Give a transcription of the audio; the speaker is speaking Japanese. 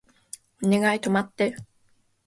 お願い止まって